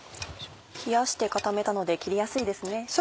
冷やして固めたので切りやすいですね。